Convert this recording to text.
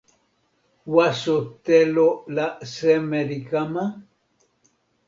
waso telo la seme li kama?